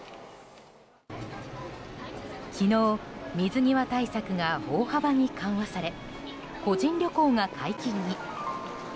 昨日、水際対策が大幅に緩和され個人旅行が解禁に。